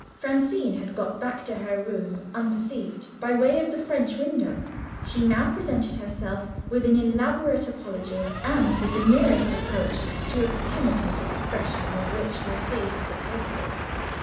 Francine had got back to her room unperceived, by way of the French window. She now presented herself, with an elaborate apology, and with the nearest approach to a penitent expression of which her face was capable.